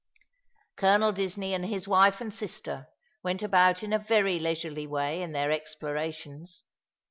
Colonel Disney and his wife and sister went about in a very leisurely way in their explorations.